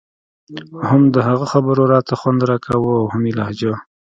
هم د هغه خبرو راته خوند راکاوه او هم يې لهجه.